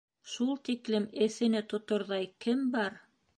— Шул тиклем эҫене тоторҙай кем бар?